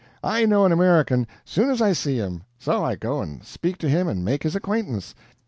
I know an American, soon as I see him; so I go and speak to him and make his acquaintance.